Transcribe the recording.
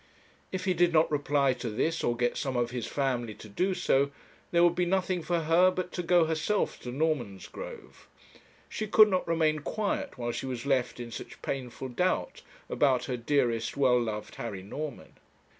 If he did not reply to this, or get some of his family to do so, there would be nothing for her but to go, herself, to Normansgrove. She could not remain quiet while she was left in such painful doubt about her dearest, well loved Harry Norman.'